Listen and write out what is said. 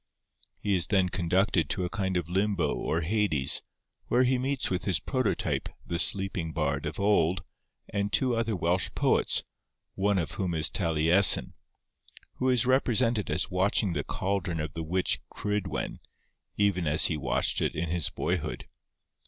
He is then conducted to a kind of limbo or Hades, where he meets with his prototype the Sleeping Bard of old and two other Welsh poets, one of whom is Taliesin, who is represented as watching the caldron of the witch Cridwen, even as he watched it in his boyhood.